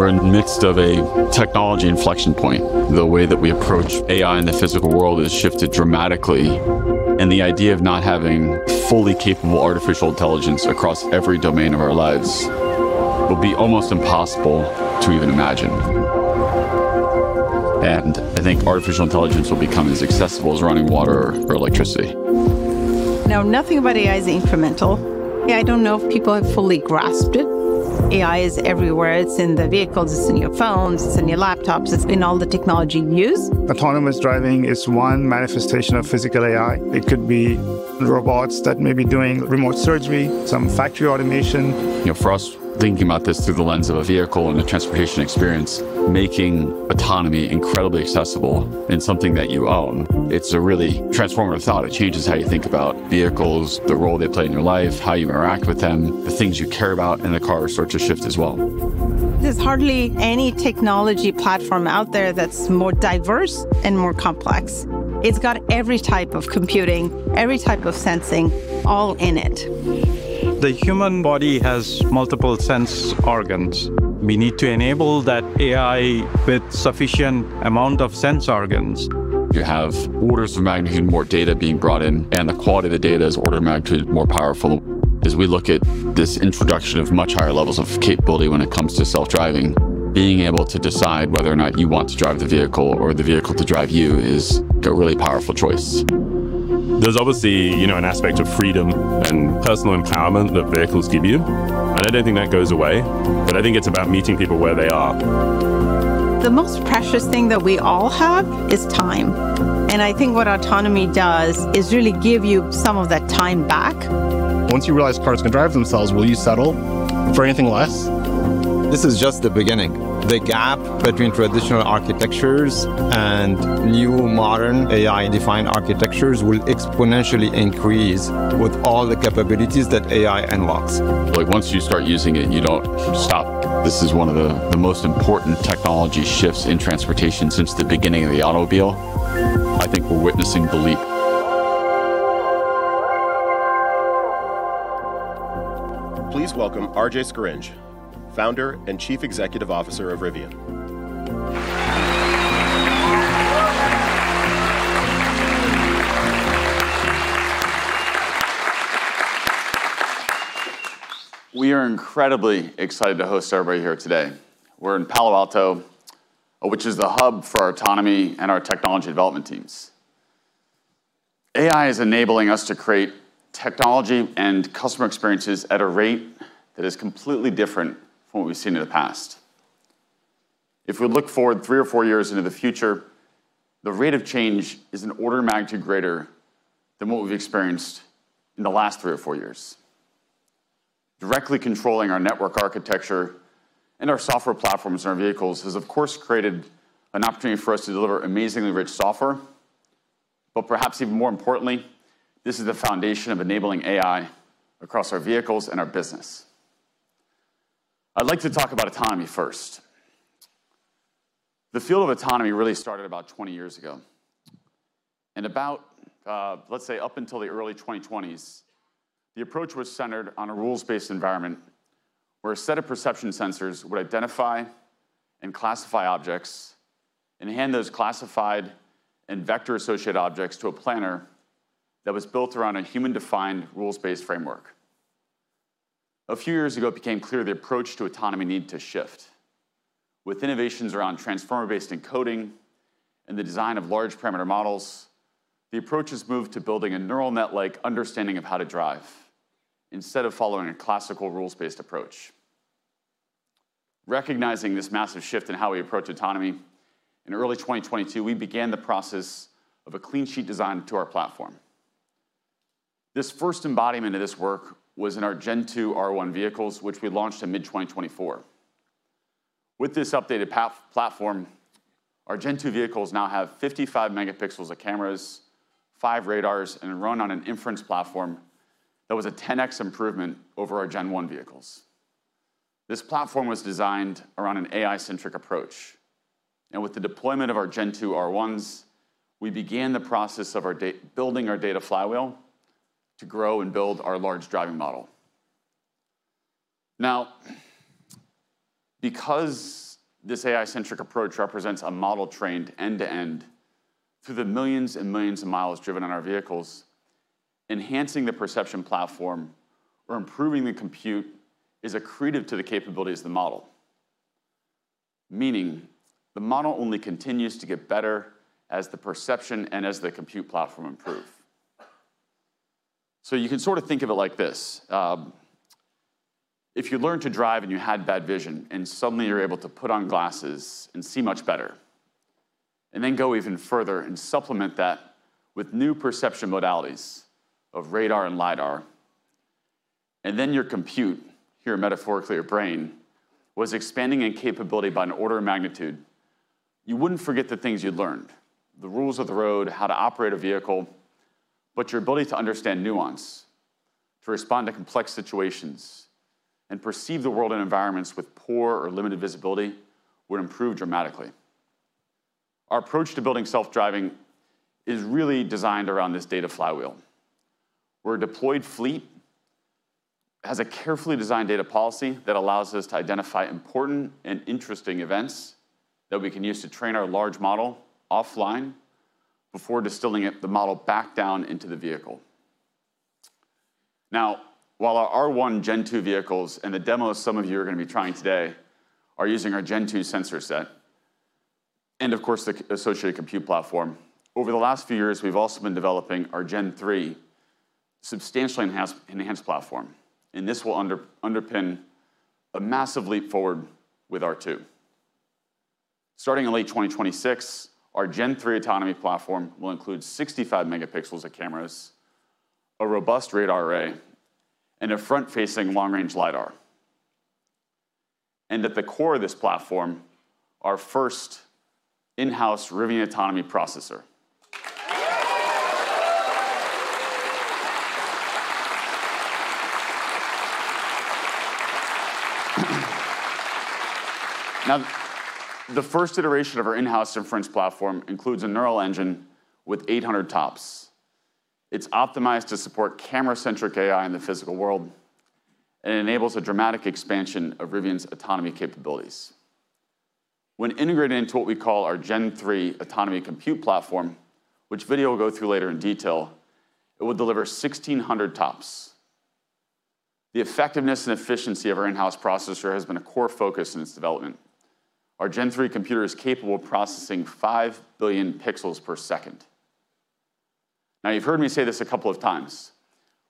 We're in the midst of a technology inflection point. The way that we approach AI in the physical world has shifted dramatically, and the idea of not having fully capable artificial intelligence across every domain of our lives will be almost impossible to even imagine, and I think artificial intelligence will become as accessible as running water or electricity. Now, nothing about AI is incremental. I don't know if people have fully grasped it. AI is everywhere. It's in the vehicles, it's in your phones, it's in your laptops, it's in all the technology you use. Autonomous driving is one manifestation of physical AI. It could be robots that may be doing remote surgery, some factory automation. For us, thinking about this through the lens of a vehicle and the transportation experience, making autonomy incredibly accessible and something that you own, it's a really transformative thought. It changes how you think about vehicles, the role they play in your life, how you interact with them, the things you care about, and the cars start to shift as well. There's hardly any technology platform out there that's more diverse and more complex. It's got every type of computing, every type of sensing, all in it. The human body has multiple sense organs. We need to enable that AI with a sufficient amount of sense organs. You have orders of magnitude more data being brought in, and the quality of the data is orders of magnitude more powerful. As we look at this introduction of much higher levels of capability when it comes to self-driving, being able to decide whether or not you want to drive the vehicle or the vehicle to drive you is a really powerful choice. There's obviously an aspect of freedom and personal empowerment that vehicles give you, and I don't think that goes away, but I think it's about meeting people where they are. The most precious thing that we all have is time. I think what autonomy does is really give you some of that time back. Once you realize cars can drive themselves, will you settle for anything less? This is just the beginning. The gap between traditional architectures and new modern AI-defined architectures will exponentially increase with all the capabilities that AI unlocks. Once you start using it, you don't stop. This is one of the most important technology shifts in transportation since the beginning of the automobile. I think we're witnessing the leap. Please welcome RJ Scaringe, Founder and Chief Executive Officer of Rivian. We are incredibly excited to host everybody here today. We're in Palo Alto, which is the hub for our autonomy and our technology development teams. AI is enabling us to create technology and customer experiences at a rate that is completely different from what we've seen in the past. If we look forward three or four years into the future, the rate of change is an order of magnitude greater than what we've experienced in the last three or four years. Directly controlling our network architecture and our software platforms in our vehicles has, of course, created an opportunity for us to deliver amazingly rich software, but perhaps even more importantly, this is the foundation of enabling AI across our vehicles and our business. I'd like to talk about autonomy first. The field of autonomy really started about 20 years ago. About, let's say, up until the early 2020s, the approach was centered on a rules-based environment where a set of perception sensors would identify and classify objects and hand those classified and vector-associated objects to a planner that was built around a human-defined rules-based framework. A few years ago, it became clear the approach to autonomy needed to shift. With innovations around transformer-based encoding and the design of large parameter models, the approach has moved to building a neural net-like understanding of how to drive instead of following a classical rules-based approach. Recognizing this massive shift in how we approach autonomy, in early 2022, we began the process of a clean sheet design to our platform. This first embodiment of this work was in our Gen 2 R1 vehicles, which we launched in mid-2024. With this updated platform, our Gen 2 vehicles now have 55 megapixels of cameras, five radars, and run on an inference platform that was a 10x improvement over our Gen 1 vehicles. This platform was designed around an AI-centric approach, and with the deployment of our Gen 2 R1s, we began the process of building our data flywheel to grow and build our Large Driving Model. Now, because this AI-centric approach represents a model trained end-to-end through the millions and millions of miles driven on our vehicles, enhancing the perception platform or improving the compute is accretive to the capabilities of the model. Meaning, the model only continues to get better as the perception and as the compute platform improve, so you can sort of think of it like this. If you learned to drive and you had bad vision and suddenly you're able to put on glasses and see much better, and then go even further and supplement that with new perception modalities of radar and LiDAR, and then your compute, here metaphorically your brain, was expanding in capability by an order of magnitude, you wouldn't forget the things you'd learned, the rules of the road, how to operate a vehicle, but your ability to understand nuance, to respond to complex situations, and perceive the world and environments with poor or limited visibility would improve dramatically. Our approach to building self-driving is really designed around this data flywheel. We're a deployed fleet that has a carefully designed data policy that allows us to identify important and interesting events that we can use to train our large model offline before distilling the model back down into the vehicle. Now, while our R1 Gen 2 vehicles and the demo some of you are going to be trying today are using our Gen 2 sensor set and, of course, the associated compute platform, over the last few years, we've also been developing our Gen 3 substantially enhanced platform. And this will underpin a massive leap forward with R2. Starting in late 2026, our Gen 3 autonomy platform will include 65 megapixels of cameras, a robust radar array, and a front-facing long-range LiDAR. And at the core of this platform, our first in-house Rivian Autonomy Processor. Now, the first iteration of our in-house inference platform includes a neural engine with 800 TOPS. It's optimized to support camera-centric AI in the physical world and enables a dramatic expansion of Rivian's autonomy capabilities. When integrated into what we call our Gen 3 autonomy compute platform, which we'll go through later in detail, it will deliver 1,600 TOPS. The effectiveness and efficiency of our in-house processor has been a core focus in its development. Our Gen 3 computer is capable of processing five billion pixels per second. Now, you've heard me say this a couple of times.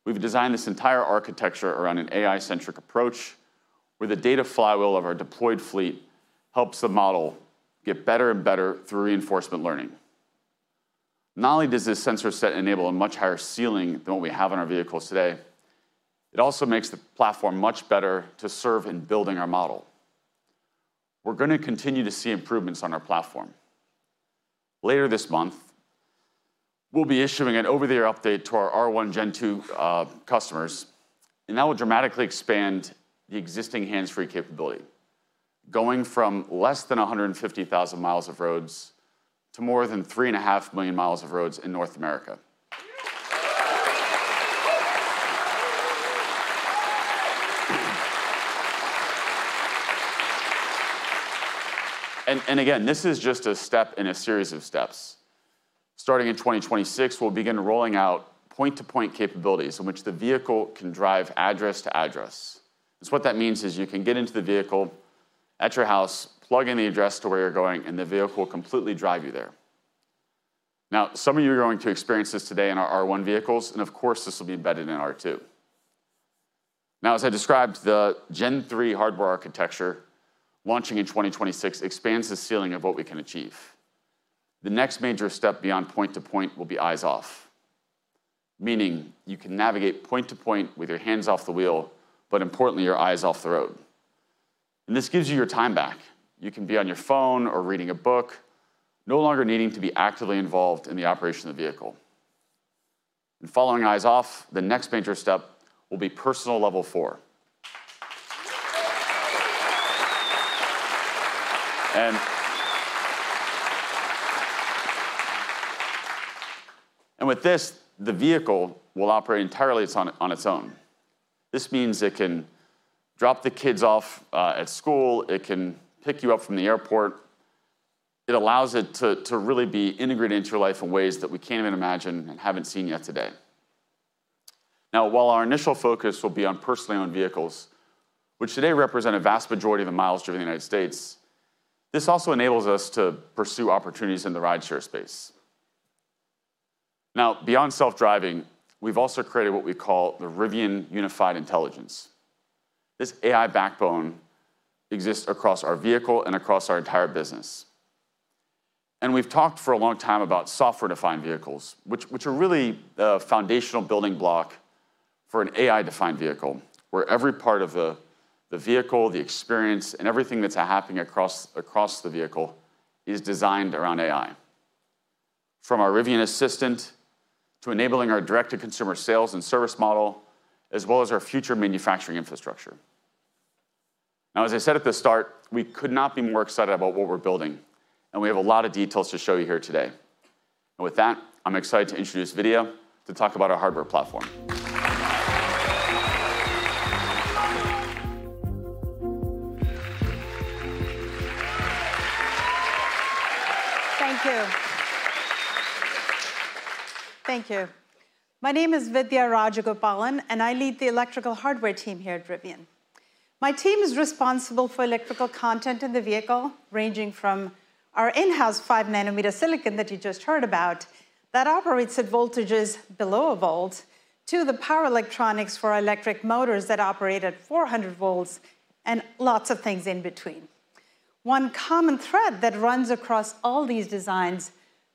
We've designed this entire architecture around an AI-centric approach where the data flywheel of our deployed fleet helps the model get better and better through reinforcement learning. Not only does this sensor set enable a much higher ceiling than what we have on our vehicles today, it also makes the platform much better to serve in building our model. We're going to continue to see improvements on our platform. Later this month, we'll be issuing an over-the-air update to our R1 Gen 2 customers, and that will dramatically expand the existing hands-free capability, going from less than 150,000 mi of roads to more than 3.5 million miles of roads in North America, and again, this is just a step in a series of steps. Starting in 2026, we'll begin rolling out point-to-point capabilities in which the vehicle can drive address to address. What that means is you can get into the vehicle at your house, plug in the address to where you're going, and the vehicle will completely drive you there. Now, some of you are going to experience this today in our R1 vehicles, and of course, this will be embedded in R2. Now, as I described, the Gen 3 hardware architecture launching in 2026 expands the ceiling of what we can achieve. The next major step beyond point-to-point will be eyes-off, meaning you can navigate point-to-point with your hands off the wheel, but importantly, your eyes off the road. And this gives you your time back. You can be on your phone or reading a book, no longer needing to be actively involved in the operation of the vehicle. And following eyes-off, the next major step will be personal Level 4. And with this, the vehicle will operate entirely on its own. This means it can drop the kids off at school. It can pick you up from the airport. It allows it to really be integrated into your life in ways that we can't even imagine and haven't seen yet today. Now, while our initial focus will be on personally owned vehicles, which today represent a vast majority of the miles driven in the United States, this also enables us to pursue opportunities in the rideshare space. Now, beyond self-driving, we've also created what we call the Rivian Unified Intelligence. This AI backbone exists across our vehicle and across our entire business, and we've talked for a long time about software-defined vehicles, which are really the foundational building block for an AI-defined vehicle, where every part of the vehicle, the experience, and everything that's happening across the vehicle is designed around AI, from our Rivian Assistant to enabling our direct-to-consumer sales and service model, as well as our future manufacturing infrastructure. Now, as I said at the start, we could not be more excited about what we're building, and we have a lot of details to show you here today. With that, I'm excited to introduce Vidya to talk about our hardware platform. Thank you. Thank you. My name is Vidya Rajagopalan, and I lead the electrical hardware team here at Rivian. My team is responsible for electrical content in the vehicle, ranging from our in-house 5 nm silicon that you just heard about that operates at voltages below a volt to the power electronics for electric motors that operate at 400 volts and lots of things in between. One common thread that runs across all these designs,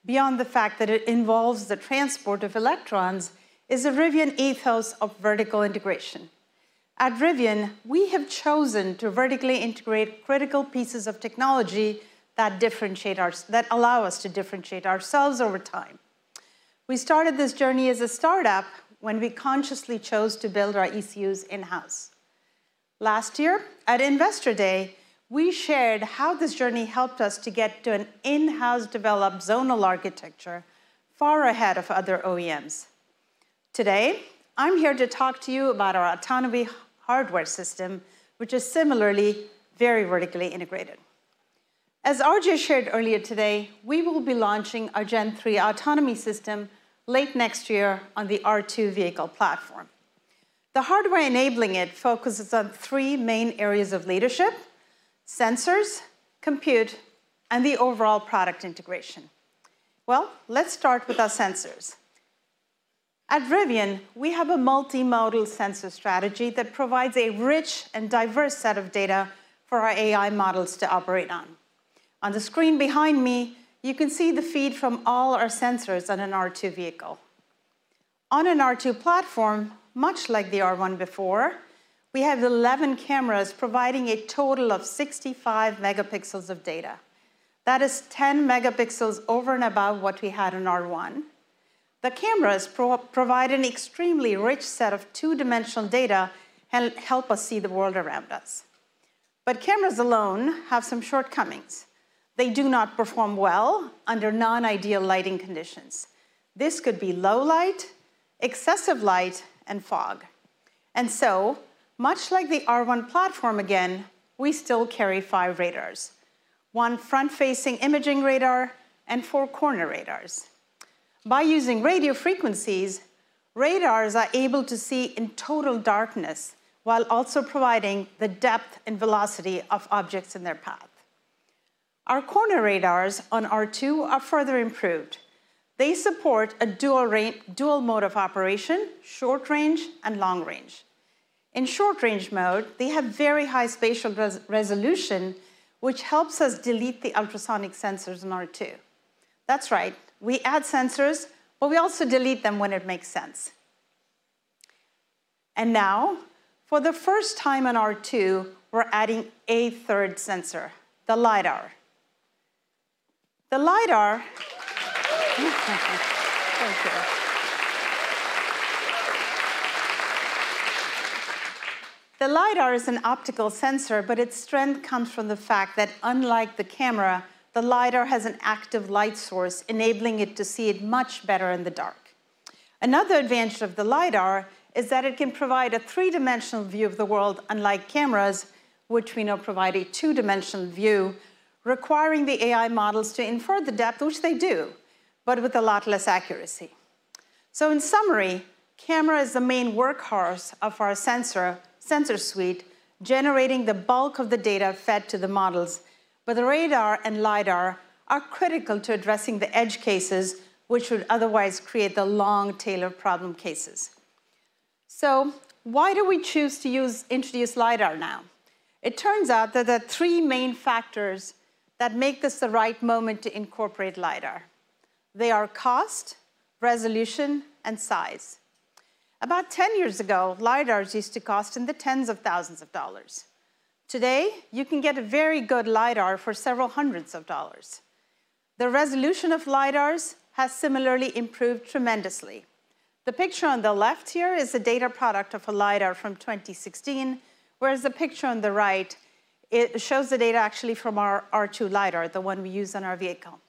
beyond the fact that it involves the transport of electrons, is a Rivian ethos of vertical integration. At Rivian, we have chosen to vertically integrate critical pieces of technology that allow us to differentiate ourselves over time. We started this journey as a startup when we consciously chose to build our ECUs in-house. Last year, at Investor Day, we shared how this journey helped us to get to an in-house developed zonal architecture far ahead of other OEMs. Today, I'm here to talk to you about our autonomy hardware system, which is similarly very vertically integrated. As RJ shared earlier today, we will be launching our Gen 3 autonomy system late next year on the R2 vehicle platform. The hardware enabling it focuses on three main areas of leadership: sensors, compute, and the overall product integration. Let's start with our sensors. At Rivian, we have a multimodal sensor strategy that provides a rich and diverse set of data for our AI models to operate on. On the screen behind me, you can see the feed from all our sensors on an R2 vehicle. On an R2 platform, much like the R1 before, we have 11 cameras providing a total of 65 megapixels of data. That is 10 megapixels over and above what we had on R1. The cameras provide an extremely rich set of two-dimensional data and help us see the world around us. But cameras alone have some shortcomings. They do not perform well under non-ideal lighting conditions. This could be low light, excessive light, and fog. And so, much like the R1 platform again, we still carry five radars: one front-facing imaging radar and four corner radars. By using radio frequencies, radars are able to see in total darkness while also providing the depth and velocity of objects in their path. Our corner radars on R2 are further improved. They support a dual mode of operation: short range and long range. In short range mode, they have very high spatial resolution, which helps us delete the ultrasonic sensors on R2. That's right. We add sensors, but we also delete them when it makes sense. And now, for the first time on R2, we're adding a third sensor, the LiDAR. The LiDAR is an optical sensor, but its strength comes from the fact that, unlike the camera, the LiDAR has an active light source, enabling it to see it much better in the dark. Another advantage of the LiDAR is that it can provide a three-dimensional view of the world, unlike cameras, which we know provide a two-dimensional view, requiring the AI models to infer the depth, which they do, but with a lot less accuracy. So, in summary, camera is the main workhorse of our sensor suite, generating the bulk of the data fed to the models, but the radar and LiDAR are critical to addressing the edge cases, which would otherwise create the long tail of problem cases. So, why do we choose to introduce LiDAR now? It turns out that there are three main factors that make this the right moment to incorporate LiDAR. They are cost, resolution, and size. About 10 years ago, LiDARs used to cost in the tens of thousands of dollars. Today, you can get a very good LiDAR for several hundreds of dollars. The resolution of LiDARs has similarly improved tremendously. The picture on the left here is a data product of a LiDAR from 2016, whereas the picture on the right shows the data actually from our R2 LiDAR, the one we use on our vehicle.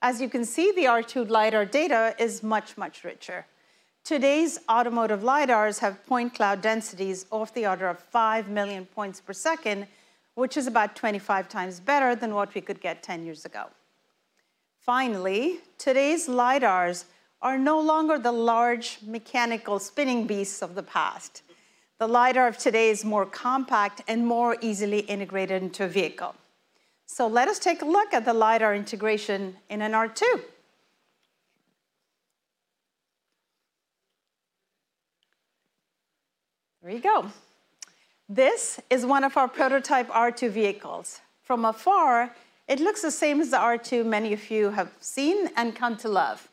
As you can see, the R2 LiDAR data is much, much richer. Today's automotive LiDARs have point cloud densities of the order of 5 million points per second, which is about 25 times better than what we could get 10 years ago. Finally, today's LiDARs are no longer the large mechanical spinning beasts of the past. The LiDAR of today is more compact and more easily integrated into a vehicle. So, let us take a look at the LiDAR integration in an R2. There you go. This is one of our prototype R2 vehicles. From afar, it looks the same as the R2 many of you have seen and come to love.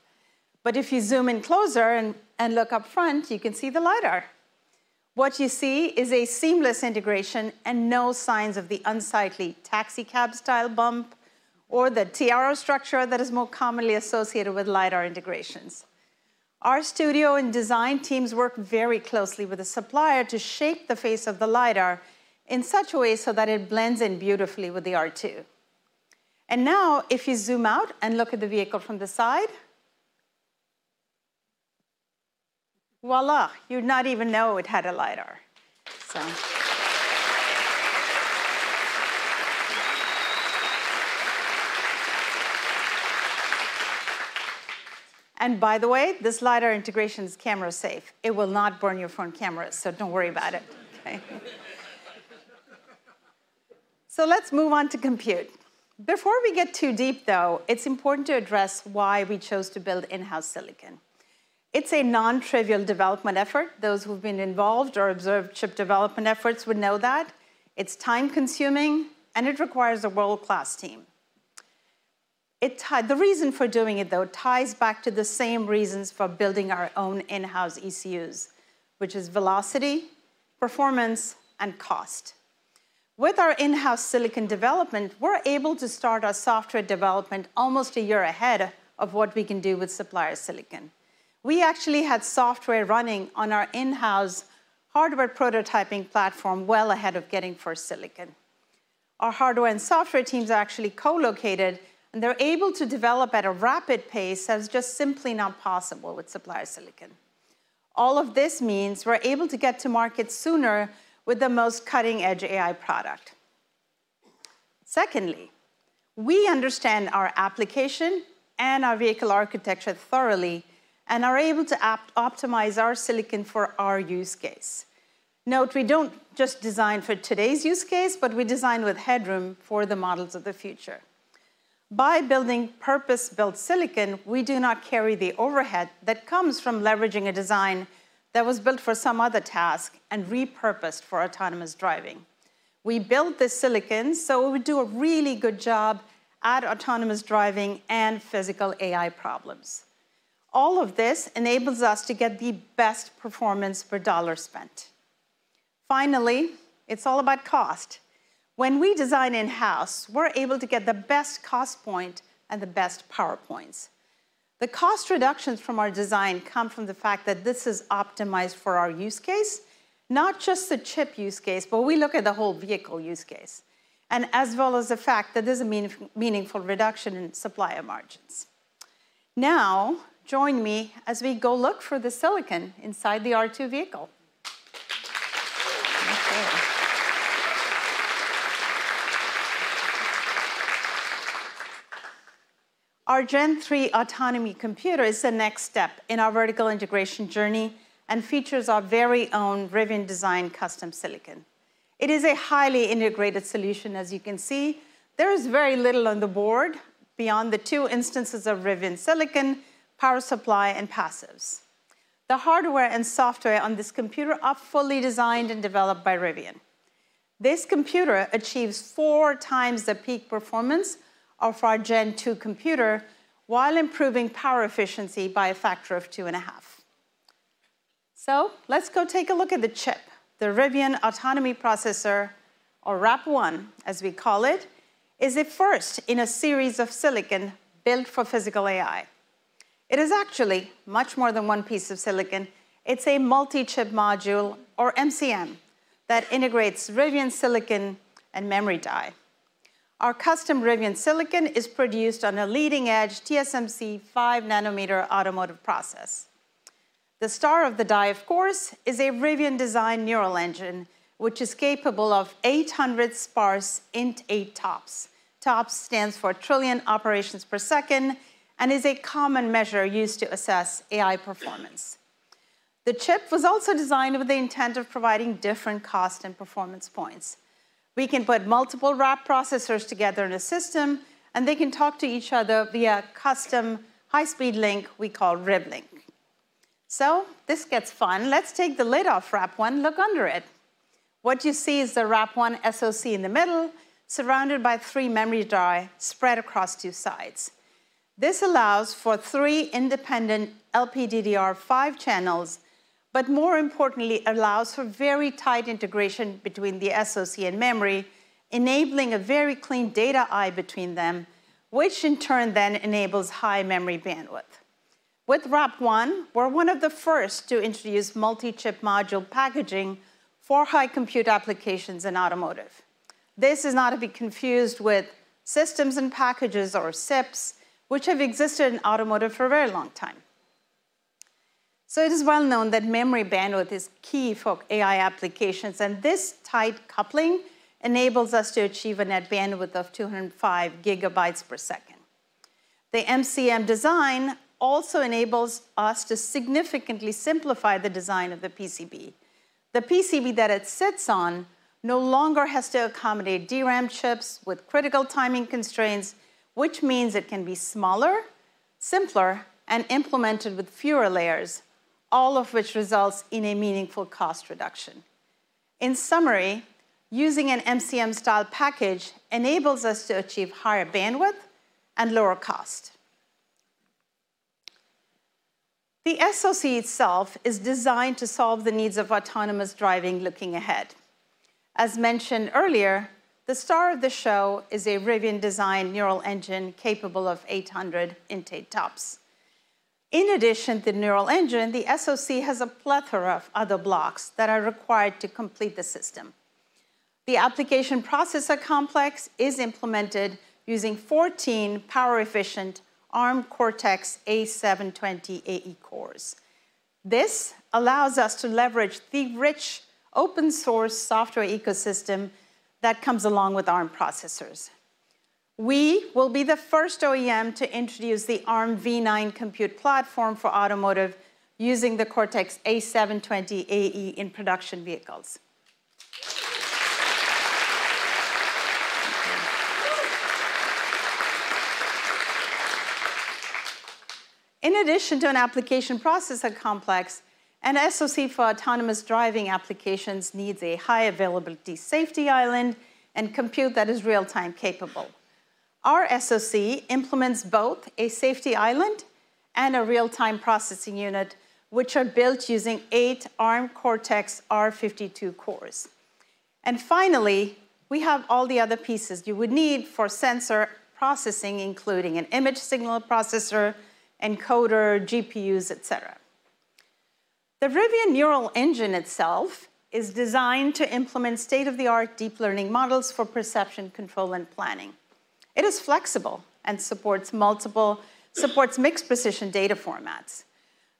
But if you zoom in closer and look up front, you can see the LiDAR. What you see is a seamless integration and no signs of the unsightly taxi cab style bump or the teardrop structure that is more commonly associated with LiDAR integrations. Our studio and design teams work very closely with the supplier to shape the face of the LiDAR in such a way so that it blends in beautifully with the R2. And now, if you zoom out and look at the vehicle from the side, voilà, you'd not even know it had a LiDAR. And by the way, this LiDAR integration is camera safe. It will not burn your phone cameras, so don't worry about it. So, let's move on to compute. Before we get too deep, though, it's important to address why we chose to build in-house silicon. It's a non-trivial development effort. Those who've been involved or observed chip development efforts would know that. It's time-consuming, and it requires a world-class team. The reason for doing it, though, ties back to the same reasons for building our own in-house ECUs, which are velocity, performance, and cost. With our in-house silicon development, we're able to start our software development almost a year ahead of what we can do with supplier silicon. We actually had software running on our in-house hardware prototyping platform well ahead of getting first silicon. Our hardware and software teams are actually co-located, and they're able to develop at a rapid pace that was just simply not possible with supplier silicon. All of this means we're able to get to market sooner with the most cutting-edge AI product. Secondly, we understand our application and our vehicle architecture thoroughly and are able to optimize our silicon for our use case. Note, we don't just design for today's use case, but we design with headroom for the models of the future. By building purpose-built silicon, we do not carry the overhead that comes from leveraging a design that was built for some other task and repurposed for autonomous driving. We built this silicon so it would do a really good job at autonomous driving and physical AI problems. All of this enables us to get the best performance for dollars spent. Finally, it's all about cost. When we design in-house, we're able to get the best cost point and the best power points. The cost reductions from our design come from the fact that this is optimized for our use case, not just the chip use case, but we look at the whole vehicle use case, as well as the fact that there's a meaningful reduction in supplier margins. Now, join me as we go look for the silicon inside the R2 vehicle. Our Gen 3 autonomy computer is the next step in our vertical integration journey and features our very own Rivian design custom silicon. It is a highly integrated solution, as you can see. There is very little on the board beyond the two instances of Rivian silicon, power supply, and passives. The hardware and software on this computer are fully designed and developed by Rivian. This computer achieves four times the peak performance of our Gen 2 computer while improving power efficiency by a factor of two and a half. So, let's go take a look at the chip. The Rivian autonomy processor, or RAP1, as we call it, is a first in a series of silicon built for physical AI. It is actually much more than one piece of silicon. It's a multi-chip module, or MCM, that integrates Rivian silicon and memory die. Our custom Rivian silicon is produced on a leading-edge TSMC 5 nm automotive process. The star of the die, of course, is a Rivian design neural engine, which is capable of 800 sparse Int8 TOPS. TOPS stands for trillion operations per second and is a common measure used to assess AI performance. The chip was also designed with the intent of providing different cost and performance points. We can put multiple RAP processors together in a system, and they can talk to each other via custom high-speed link we call RivLink. So, this gets fun. Let's take the lid off RAP1 and look under it. What you see is the RAP1 SoC in the middle, surrounded by three memory die spread across two sides. This allows for three independent LPDDR5 channels, but more importantly, allows for very tight integration between the SoC and memory, enabling a very clean data eye between them, which in turn then enables high memory bandwidth. With RAP1, we're one of the first to introduce multi-chip module packaging for high compute applications in automotive. This is not to be confused with Systems in Packages or SIPs, which have existed in automotive for a very long time. So, it is well known that memory bandwidth is key for AI applications, and this tight coupling enables us to achieve a net bandwidth of 205 GB per second. The MCM design also enables us to significantly simplify the design of the PCB. The PCB that it sits on no longer has to accommodate DRAM chips with critical timing constraints, which means it can be smaller, simpler, and implemented with fewer layers, all of which results in a meaningful cost reduction. In summary, using an MCM-style package enables us to achieve higher bandwidth and lower cost. The SoC itself is designed to solve the needs of autonomous driving looking ahead. As mentioned earlier, the star of the show is a Rivian design neural engine capable of 800 Int8 TOPS. In addition to the neural engine, the SoC has a plethora of other blocks that are required to complete the system. The application processor complex is implemented using 14 power-efficient Arm Cortex-A720AE cores. This allows us to leverage the rich open-source software ecosystem that comes along with Arm processors. We will be the first OEM to introduce the Armv9 compute platform for automotive using the Cortex-A720AE in production vehicles. In addition to an application processor complex, an SoC for autonomous driving applications needs a high availability safety island and compute that is real-time capable. Our SoC implements both a safety island and a real-time processing unit, which are built using eight Arm Cortex-R52 cores, and finally, we have all the other pieces you would need for sensor processing, including an image signal processor, encoder, GPUs, et cetera. The Rivian neural engine itself is designed to implement state-of-the-art deep learning models for perception control and planning. It is flexible and supports mixed precision data formats.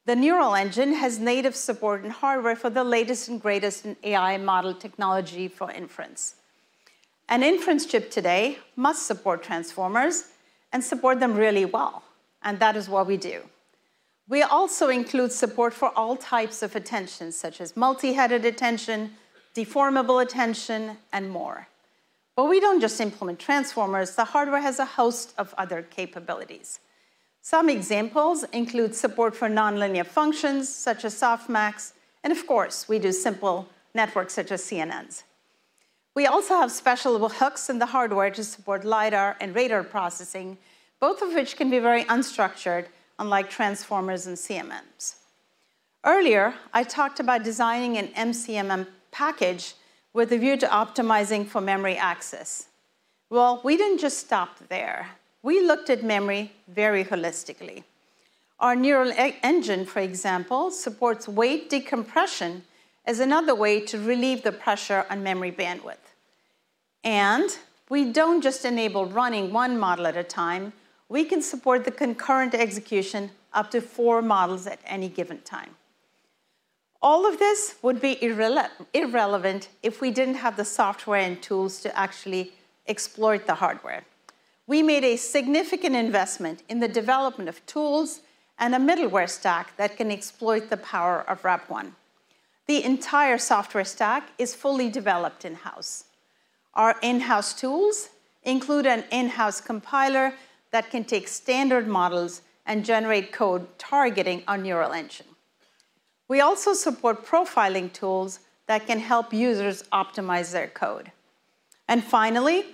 The neural engine has native support and hardware for the latest and greatest AI model technology for inference. An inference chip today must support transformers and support them really well, and that is what we do. We also include support for all types of attention, such as multi-headed attention, deformable attention, and more. But we don't just implement transformers. The hardware has a host of other capabilities. Some examples include support for non-linear functions, such as softmax, and of course, we do simple networks, such as CNNs. We also have special hooks in the hardware to support LiDAR and radar processing, both of which can be very unstructured, unlike transformers and CNNs. Earlier, I talked about designing an MCM package with a view to optimizing for memory access. Well, we didn't just stop there. We looked at memory very holistically. Our neural engine, for example, supports weight decompression as another way to relieve the pressure on memory bandwidth. We don't just enable running one model at a time. We can support the concurrent execution of up to four models at any given time. All of this would be irrelevant if we didn't have the software and tools to actually exploit the hardware. We made a significant investment in the development of tools and a middleware stack that can exploit the power of RAP1. The entire software stack is fully developed in-house. Our in-house tools include an in-house compiler that can take standard models and generate code targeting our neural engine. We also support profiling tools that can help users optimize their code. And finally,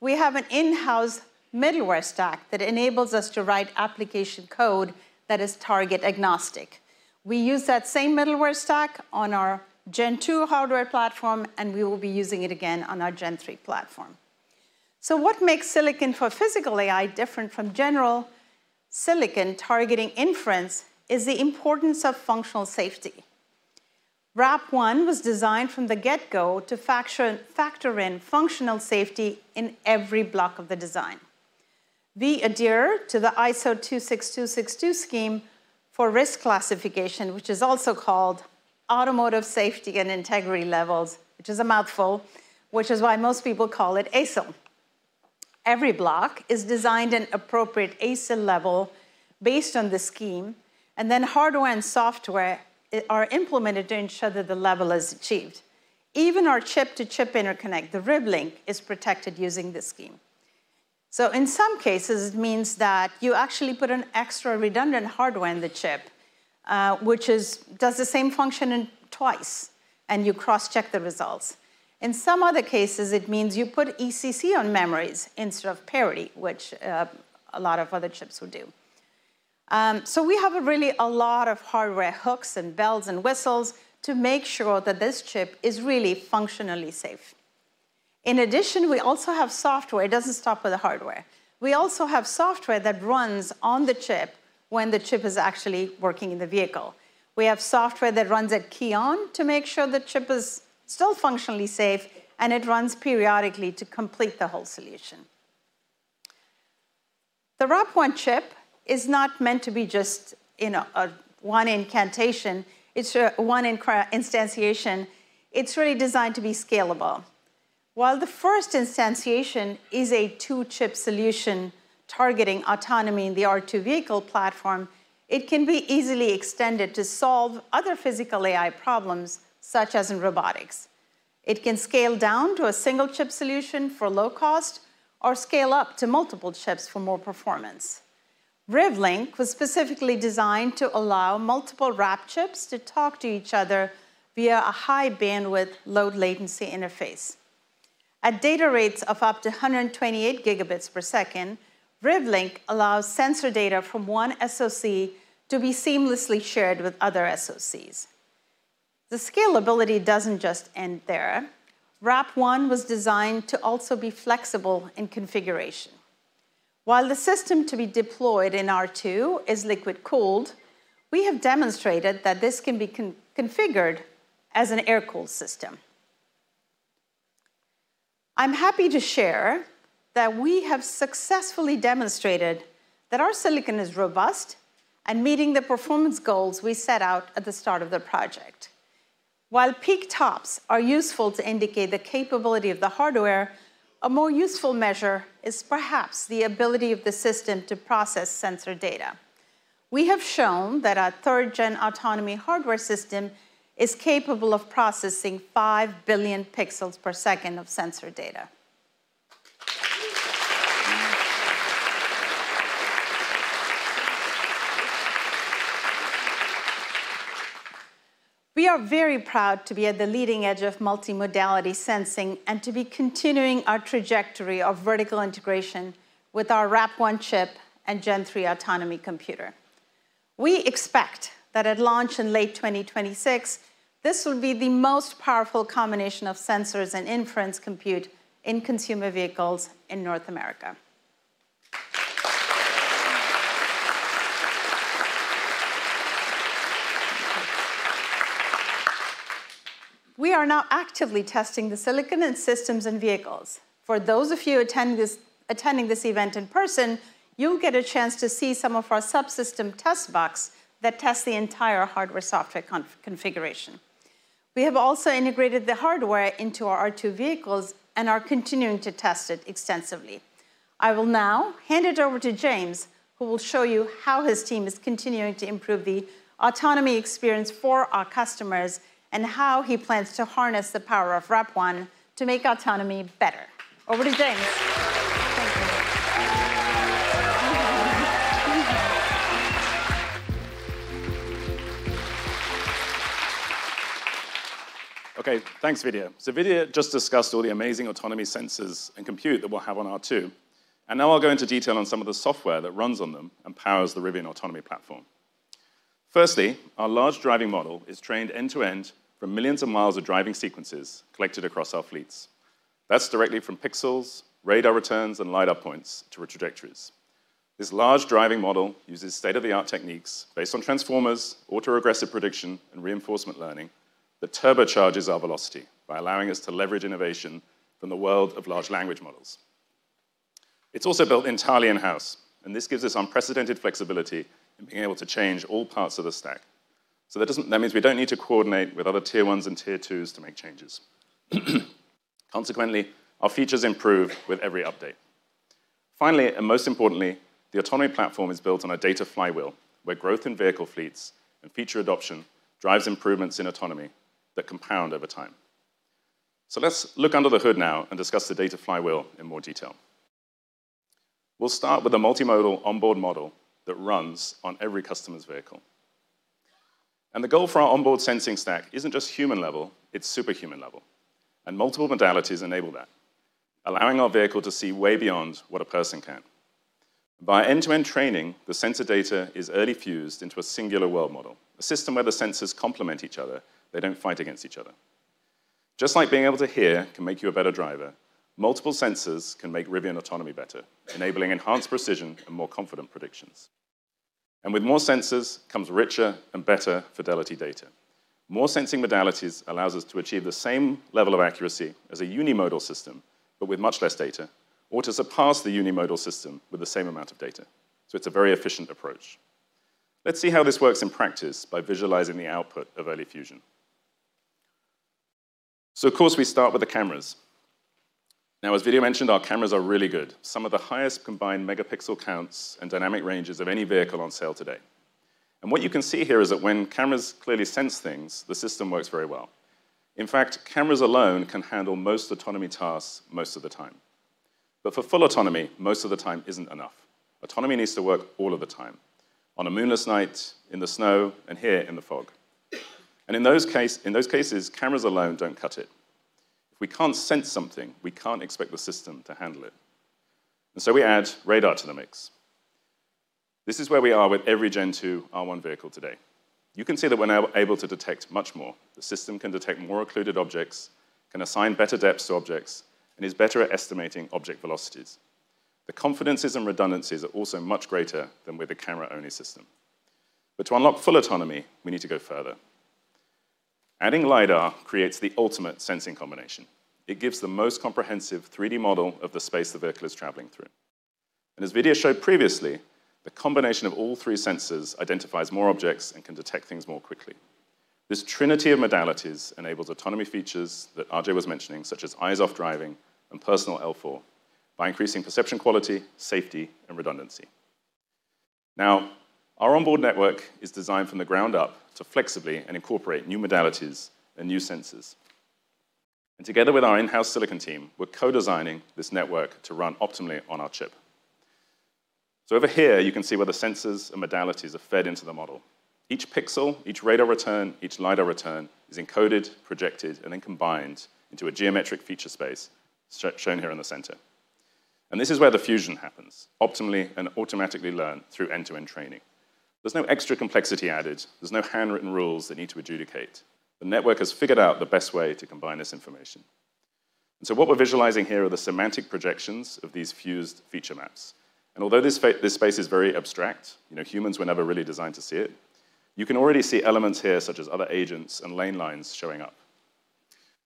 we have an in-house middleware stack that enables us to write application code that is target agnostic. We use that same middleware stack on our Gen 2 hardware platform, and we will be using it again on our Gen 3 platform. So, what makes silicon for physical AI different from general silicon targeting inference is the importance of functional safety. RAP1 was designed from the get-go to factor in functional safety in every block of the design. We adhere to the ISO 26262 scheme for risk classification, which is also called automotive safety and integrity levels, which is a mouthful, which is why most people call it ASIL. Every block is designed in appropriate ASIL level based on the scheme, and then hardware and software are implemented to ensure that the level is achieved. Even our chip-to-chip interconnect, the RivLink, is protected using this scheme. So, in some cases, it means that you actually put an extra redundant hardware in the chip, which does the same function twice, and you cross-check the results. In some other cases, it means you put ECC on memories instead of parity, which a lot of other chips would do. So, we have really a lot of hardware hooks and bells and whistles to make sure that this chip is really functionally safe. In addition, we also have software. It doesn't stop with the hardware. We also have software that runs on the chip when the chip is actually working in the vehicle. We have software that runs at key-on to make sure the chip is still functionally safe, and it runs periodically to complete the whole solution. The RAP1 chip is not meant to be just one iteration. It's an instantiation. It's really designed to be scalable. While the first instantiation is a two-chip solution targeting autonomy in the R2 vehicle platform, it can be easily extended to solve other physical AI problems, such as in robotics. It can scale down to a single chip solution for low cost or scale up to multiple chips for more performance. RivLink was specifically designed to allow multiple RAP1 chips to talk to each other via a high-bandwidth low-latency interface. At data rates of up to 128 Gb per second, RivLink allows sensor data from one SoC to be seamlessly shared with other SoCs. The scalability doesn't just end there. RAP1 was designed to also be flexible in configuration. While the system to be deployed in R2 is liquid-cooled, we have demonstrated that this can be configured as an air-cooled system. I'm happy to share that we have successfully demonstrated that our silicon is robust and meeting the performance goals we set out at the start of the project. While peak TOPS are useful to indicate the capability of the hardware, a more useful measure is perhaps the ability of the system to process sensor data. We have shown that our third-gen autonomy hardware system is capable of processing 5 billion pixels per second of sensor data. We are very proud to be at the leading edge of multimodality sensing and to be continuing our trajectory of vertical integration with our RAP1 chip and Gen 3 autonomy computer. We expect that at launch in late 2026, this will be the most powerful combination of sensors and inference compute in consumer vehicles in North America. We are now actively testing the silicon in systems and vehicles. For those of you attending this event in person, you'll get a chance to see some of our subsystem test box that tests the entire hardware-software configuration. We have also integrated the hardware into our R2 vehicles and are continuing to test it extensively. I will now hand it over to James, who will show you how his team is continuing to improve the autonomy experience for our customers and how he plans to harness the power of RAP1 to make autonomy better. Over to James. Thank you. Okay, thanks, Vidya. So, Vidya just discussed all the amazing autonomy sensors and compute that we'll have on R2. And now I'll go into detail on some of the software that runs on them and powers the Rivian Autonomy Platform. Firstly, our Large Driving Model is trained end-to-end for millions of miles of driving sequences collected across our fleets. That's directly from pixels, radar returns, and LiDAR points to trajectories. This Large Driving Model uses state-of-the-art techniques based on transformers, autoregressive prediction, and reinforcement learning that turbocharges our velocity by allowing us to leverage innovation from the world of large language models. It's also built entirely in-house, and this gives us unprecedented flexibility in being able to change all parts of the stack. So, that means we don't need to coordinate with other tier ones and tier twos to make changes. Consequently, our features improve with every update. Finally, and most importantly, the autonomy platform is built on a data flywheel where growth in vehicle fleets and feature adoption drives improvements in autonomy that compound over time. So, let's look under the hood now and discuss the data flywheel in more detail. We'll start with a multimodal onboard model that runs on every customer's vehicle. The goal for our onboard sensing stack isn't just human level, it's superhuman level. Multiple modalities enable that, allowing our vehicle to see way beyond what a person can. By end-to-end training, the sensor data is early fused into a singular world model, a system where the sensors complement each other. They don't fight against each other. Just like being able to hear can make you a better driver, multiple sensors can make Rivian Autonomy better, enabling enhanced precision and more confident predictions. With more sensors comes richer and better fidelity data. More sensing modalities allow us to achieve the same level of accuracy as a unimodal system, but with much less data, or to surpass the unimodal system with the same amount of data. So, it's a very efficient approach. Let's see how this works in practice by visualizing the output of early fusion. So, of course, we start with the cameras. Now, as Vidya mentioned, our cameras are really good. Some of the highest combined megapixel counts and dynamic ranges of any vehicle on sale today. And what you can see here is that when cameras clearly sense things, the system works very well. In fact, cameras alone can handle most autonomy tasks most of the time. But for full autonomy, most of the time isn't enough. Autonomy needs to work all of the time on a moonless night, in the snow, and here in the fog. And in those cases, cameras alone don't cut it. If we can't sense something, we can't expect the system to handle it. And so, we add radar to the mix. This is where we are with every Gen 2 R1 vehicle today. You can see that we're now able to detect much more. The system can detect more occluded objects, can assign better depths to objects, and is better at estimating object velocities. The confidences and redundancies are also much greater than with a camera-only system. But to unlock full autonomy, we need to go further. Adding LiDAR creates the ultimate sensing combination. It gives the most comprehensive 3D model of the space the vehicle is traveling through. And as Vidya showed previously, the combination of all three sensors identifies more objects and can detect things more quickly. This trinity of modalities enables autonomy features that RJ was mentioning, such as eyes-off driving and personal L4, by increasing perception quality, safety, and redundancy. Now, our onboard network is designed from the ground up to flexibly and incorporate new modalities and new sensors. And together with our in-house silicon team, we're co-designing this network to run optimally on our chip. So, over here, you can see where the sensors and modalities are fed into the model. Each pixel, each radar return, each LiDAR return is encoded, projected, and then combined into a geometric feature space shown here in the center. And this is where the fusion happens optimally and automatically learned through end-to-end training. There's no extra complexity added. There's no handwritten rules that need to adjudicate. The network has figured out the best way to combine this information. And so, what we're visualizing here are the semantic projections of these fused feature maps. And although this space is very abstract, humans were never really designed to see it, you can already see elements here, such as other agents and lane lines showing up.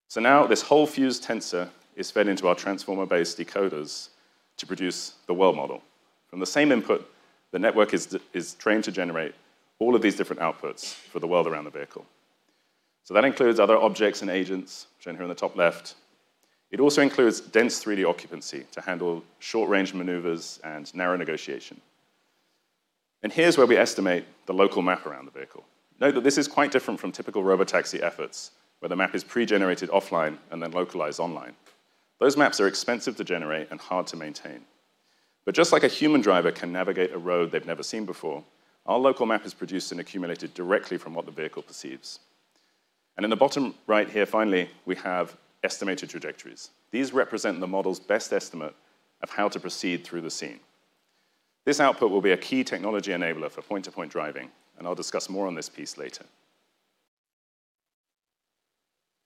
So now, this whole fused tensor is fed into our transformer-based decoders to produce the world model. From the same input, the network is trained to generate all of these different outputs for the world around the vehicle. So that includes other objects and agents shown here in the top left. It also includes dense 3D occupancy to handle short-range maneuvers and narrow negotiation. And here's where we estimate the local map around the vehicle. Note that this is quite different from typical robotaxi efforts, where the map is pre-generated offline and then localized online. Those maps are expensive to generate and hard to maintain. But just like a human driver can navigate a road they've never seen before, our local map is produced and accumulated directly from what the vehicle perceives. And in the bottom right here, finally, we have estimated trajectories. These represent the model's best estimate of how to proceed through the scene. This output will be a key technology enabler for point-to-point driving, and I'll discuss more on this piece later.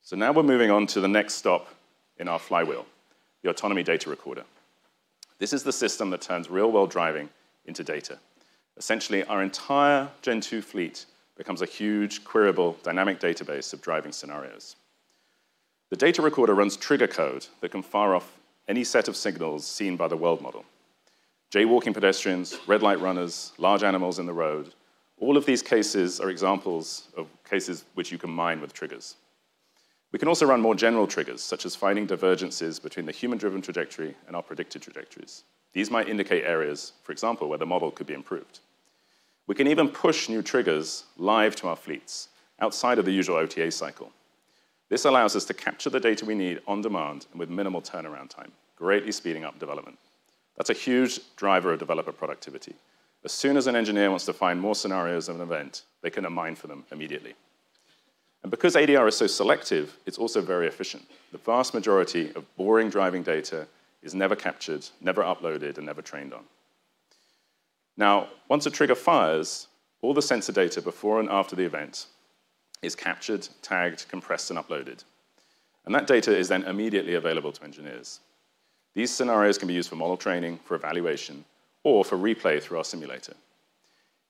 So now we're moving on to the next stop in our flywheel, the Autonomy Data Recorder. This is the system that turns real-world driving into data. Essentially, our entire Gen 2 fleet becomes a huge queryable dynamic database of driving scenarios. The data recorder runs trigger code that can fire off any set of signals seen by the world model: jaywalking pedestrians, red light runners, large animals in the road. All of these cases are examples of cases which you can mine with triggers. We can also run more general triggers, such as finding divergences between the human-driven trajectory and our predicted trajectories. These might indicate areas, for example, where the model could be improved. We can even push new triggers live to our fleets outside of the usual OTA cycle. This allows us to capture the data we need on demand and with minimal turnaround time, greatly speeding up development. That's a huge driver of developer productivity. As soon as an engineer wants to find more scenarios of an event, they can mine for them immediately. And because ADR is so selective, it's also very efficient. The vast majority of boring driving data is never captured, never uploaded, and never trained on. Now, once a trigger fires, all the sensor data before and after the event is captured, tagged, compressed, and uploaded. And that data is then immediately available to engineers. These scenarios can be used for model training, for evaluation, or for replay through our simulator.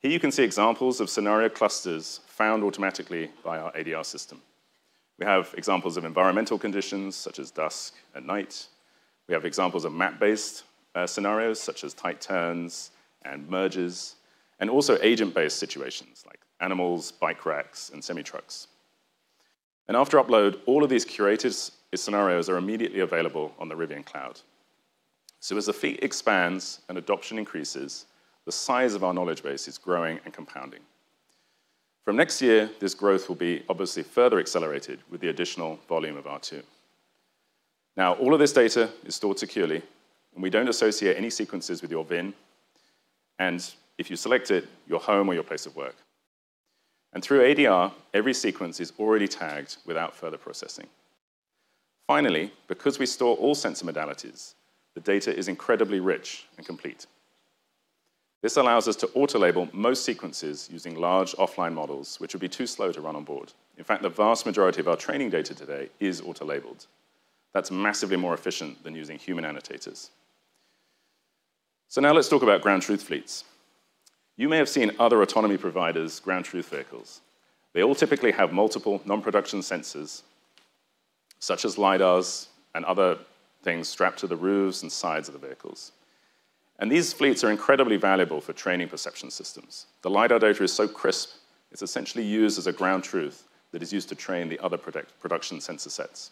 Here you can see examples of scenario clusters found automatically by our ADR system. We have examples of environmental conditions, such as dusk and night. We have examples of map-based scenarios, such as tight turns and merges, and also agent-based situations like animals, bike racks, and semi-trucks, and after upload, all of these curated scenarios are immediately available on the Rivian Cloud, so as the fleet expands and adoption increases, the size of our knowledge base is growing and compounding. From next year, this growth will be obviously further accelerated with the additional volume of R2. Now, all of this data is stored securely, and we don't associate any sequences with your VIN, and if you select it, your home or your place of work, and through ADR, every sequence is already tagged without further processing. Finally, because we store all sensor modalities, the data is incredibly rich and complete. This allows us to auto-label most sequences using large offline models, which would be too slow to run on board. In fact, the vast majority of our training data today is auto-labeled. That's massively more efficient than using human annotators. So now let's talk about ground truth fleets. You may have seen other autonomy providers ground truth vehicles. They all typically have multiple non-production sensors, such as LiDARs and other things strapped to the roofs and sides of the vehicles. And these fleets are incredibly valuable for training perception systems. The LiDAR data is so crisp, it's essentially used as a ground truth that is used to train the other production sensor sets.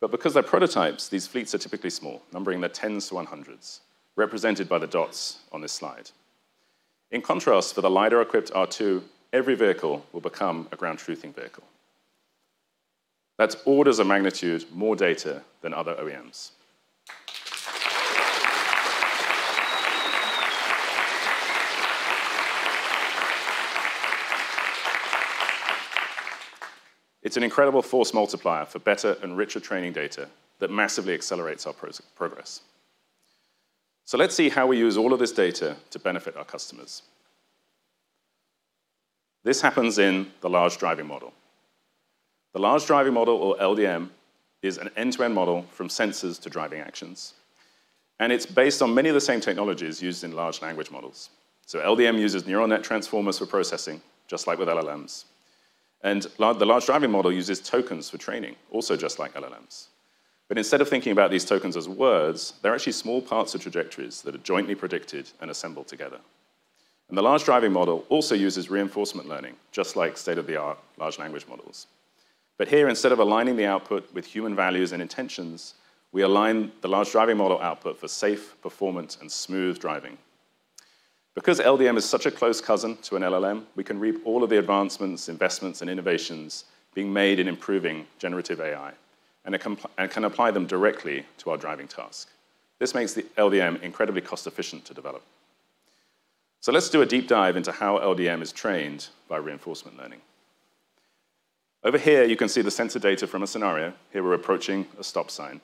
But because they're prototypes, these fleets are typically small, numbering in the tens to hundreds, represented by the dots on this slide. In contrast, for the LiDAR-equipped R2, every vehicle will become a ground truthing vehicle. That's orders of magnitude more data than other OEMs. It's an incredible force multiplier for better and richer training data that massively accelerates our progress. So let's see how we use all of this data to benefit our customers. This happens in the Large Driving Model. The Large Driving Model, or LDM, is an end-to-end model from sensors to driving actions. And it's based on many of the same technologies used in large language models. So LDM uses neural net transformers for processing, just like with LLMs. And the Large Driving Model uses tokens for training, also just like LLMs. But instead of thinking about these tokens as words, they're actually small parts of trajectories that are jointly predicted and assembled together. And the Large Driving Model also uses reinforcement learning, just like state-of-the-art large language models. But here, instead of aligning the output with human values and intentions, we align the Large Driving Model output for safe, performant, and smooth driving. Because LDM is such a close cousin to an LLM, we can reap all of the advancements, investments, and innovations being made in improving generative AI and can apply them directly to our driving task. This makes the LDM incredibly cost-efficient to develop. So let's do a deep dive into how LDM is trained by reinforcement learning. Over here, you can see the sensor data from a scenario. Here we're approaching a stop sign.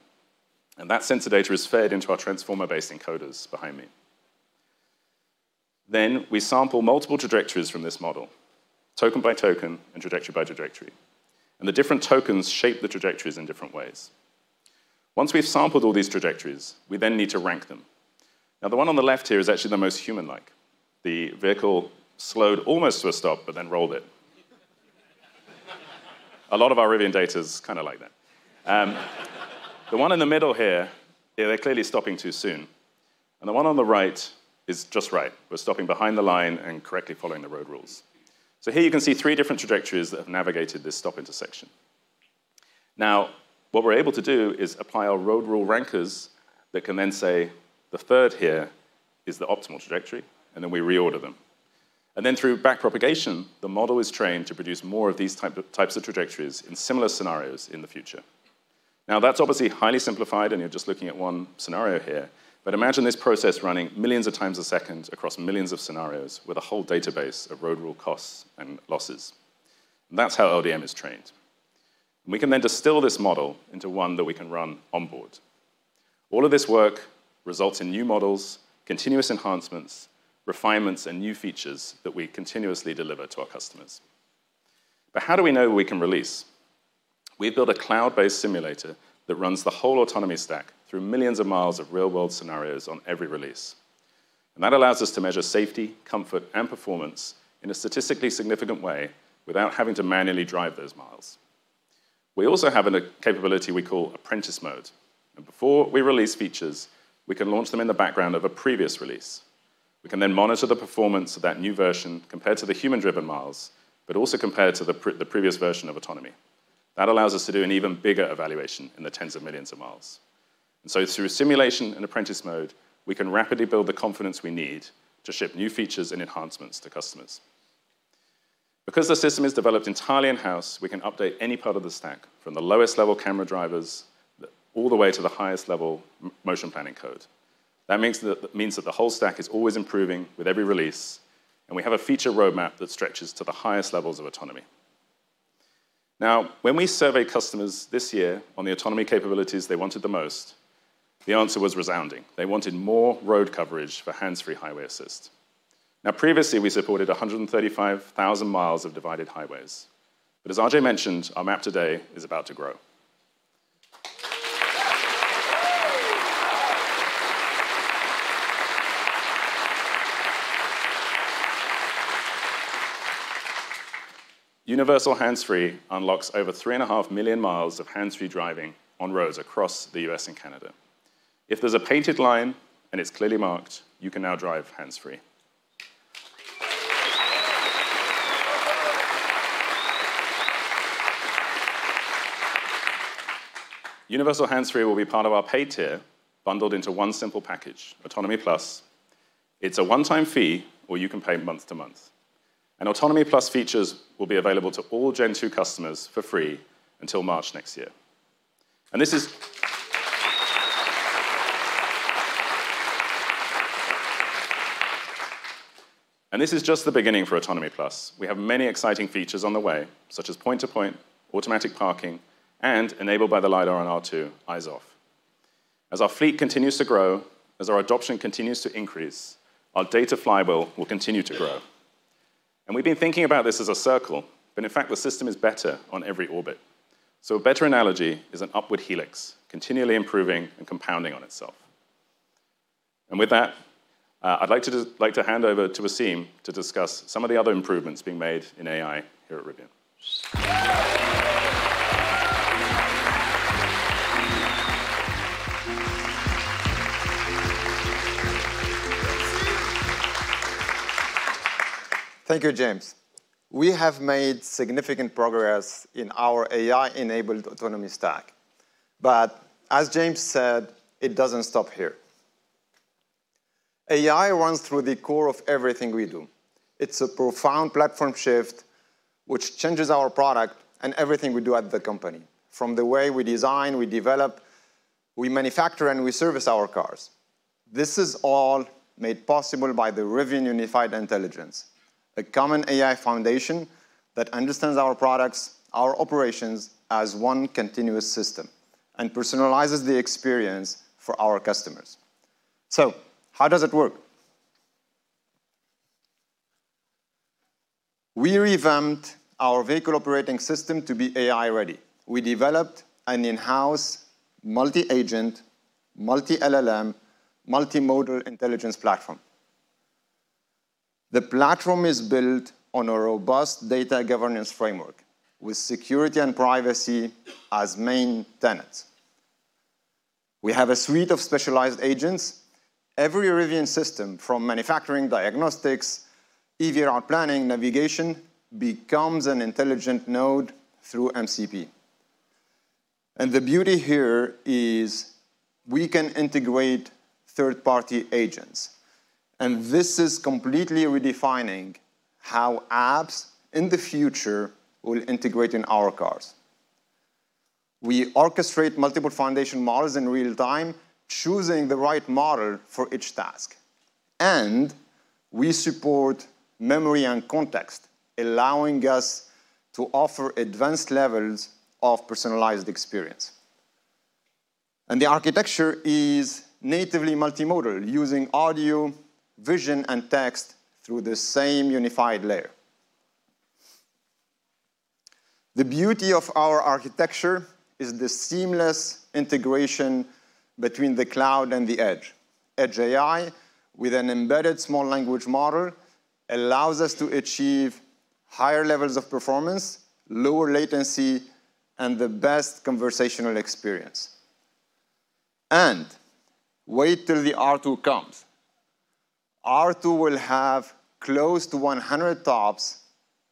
And that sensor data is fed into our transformer-based encoders behind me. Then we sample multiple trajectories from this model, token by token and trajectory by trajectory. And the different tokens shape the trajectories in different ways. Once we've sampled all these trajectories, we then need to rank them. Now, the one on the left here is actually the most human-like. The vehicle slowed almost to a stop, but then rolled it. A lot of our Rivian data is kind of like that. The one in the middle here, they're clearly stopping too soon. And the one on the right is just right. We're stopping behind the line and correctly following the road rules. So here you can see three different trajectories that have navigated this stop intersection. Now, what we're able to do is apply our road rule rankers that can then say the third here is the optimal trajectory, and then we reorder them. And then through back propagation, the model is trained to produce more of these types of trajectories in similar scenarios in the future. Now, that's obviously highly simplified, and you're just looking at one scenario here. Imagine this process running millions of times a second across millions of scenarios with a whole database of road rule costs and losses. That's how LDM is trained. We can then distill this model into one that we can run on board. All of this work results in new models, continuous enhancements, refinements, and new features that we continuously deliver to our customers. How do we know we can release? We build a cloud-based simulator that runs the whole autonomy stack through millions of miles of real-world scenarios on every release. That allows us to measure safety, comfort, and performance in a statistically significant way without having to manually drive those miles. We also have a capability we call Apprentice Mode. Before we release features, we can launch them in the background of a previous release. We can then monitor the performance of that new version compared to the human-driven miles, but also compared to the previous version of autonomy. That allows us to do an even bigger evaluation in the tens of millions of miles. And so, through simulation and Apprentice Mode, we can rapidly build the confidence we need to ship new features and enhancements to customers. Because the system is developed entirely in-house, we can update any part of the stack from the lowest level camera drivers all the way to the highest level motion planning code. That means that the whole stack is always improving with every release, and we have a feature roadmap that stretches to the highest levels of autonomy. Now, when we surveyed customers this year on the autonomy capabilities they wanted the most, the answer was resounding. They wanted more road coverage for hands-free highway assist. Now, previously, we supported 135,000 mi of divided highways. But as RJ mentioned, our map today is about to grow. Universal Hands-Free unlocks over three and a half million miles of hands-free driving on roads across the U.S. and Canada. If there's a painted line and it's clearly marked, you can now drive hands-free. Universal Hands-Free will be part of our pay tier bundled into one simple package, Autonomy Plus. It's a one-time fee, or you can pay month to month. And Autonomy Plus features will be available to all Gen 2 customers for free until March next year. And this is just the beginning for Autonomy Plus. We have many exciting features on the way, such as point-to-point, automatic parking, and enabled by the LiDAR on R2, eyes-off. As our fleet continues to grow, as our adoption continues to increase, our data flywheel will continue to grow. We've been thinking about this as a circle, but in fact, the system is better on every orbit. A better analogy is an upward helix continually improving and compounding on itself. With that, I'd like to hand over to Wassym to discuss some of the other improvements being made in AI here at Rivian. Thank you, James. We have made significant progress in our AI-enabled autonomy stack. As James said, it doesn't stop here. AI runs through the core of everything we do. It's a profound platform shift which changes our product and everything we do at the company, from the way we design, we develop, we manufacture, and we service our cars. This is all made possible by the Rivian Unified Intelligence, a common AI foundation that understands our products, our operations as one continuous system, and personalizes the experience for our customers. How does it work? We revamped our vehicle operating system to be AI-ready. We developed an in-house multi-agent, multi-LLM, multimodal intelligence platform. The platform is built on a robust data governance framework with security and privacy as main tenets. We have a suite of specialized agents. Every Rivian system, from manufacturing, diagnostics, EV route planning, navigation, becomes an intelligent node through MCP. The beauty here is we can integrate third-party agents. This is completely redefining how apps in the future will integrate in our cars. We orchestrate multiple foundation models in real time, choosing the right model for each task. We support memory and context, allowing us to offer advanced levels of personalized experience. The architecture is natively multimodal, using audio, vision, and text through the same unified layer. The beauty of our architecture is the seamless integration between the cloud and the edge. Edge AI with an embedded small language model allows us to achieve higher levels of performance, lower latency, and the best conversational experience. And wait till the R2 comes. R2 will have close to 100 TOPS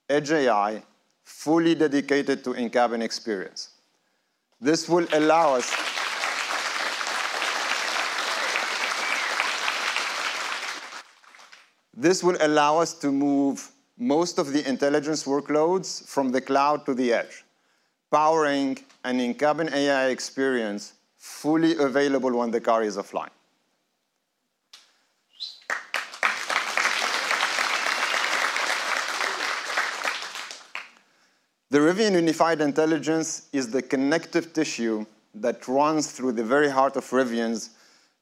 edge AI fully dedicated to in-cabin experience. This will allow us to move most of the intelligence workloads from the cloud to the edge, powering an in-cabin AI experience fully available when the car is offline. The Rivian Unified Intelligence is the connective tissue that runs through the very heart of Rivian's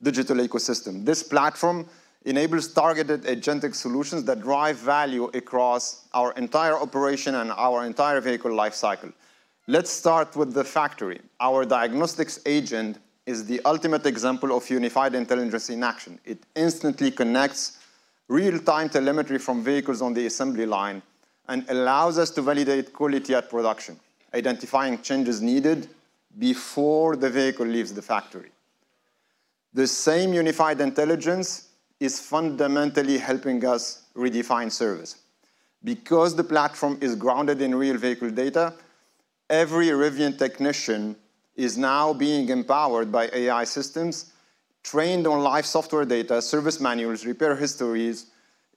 digital ecosystem. This platform enables targeted agentic solutions that drive value across our entire operation and our entire vehicle lifecycle. Let's start with the factory. Our diagnostics agent is the ultimate example of unified intelligence in action. It instantly connects real-time telemetry from vehicles on the assembly line and allows us to validate quality at production, identifying changes needed before the vehicle leaves the factory. The same unified intelligence is fundamentally helping us redefine service. Because the platform is grounded in real vehicle data, every Rivian technician is now being empowered by AI systems trained on live software data, service manuals, repair histories,